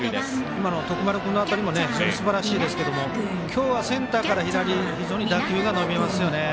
今の徳丸君の当たりも非常にすばらしいですけども今日はセンターから左非常に打球が伸びますね。